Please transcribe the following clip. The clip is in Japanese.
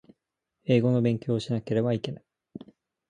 英語の勉強をしなければいけない